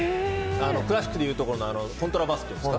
クラシックで言うところのコントラバスですか？